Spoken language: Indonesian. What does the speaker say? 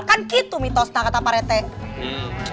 kan gitu mitosnya kata pak rethe